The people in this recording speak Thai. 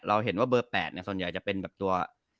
เห็นว่าเบอร์๘ส่วนใหญ่จะเป็นแบบตัว